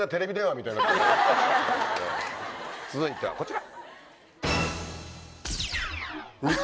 続いてはこちら。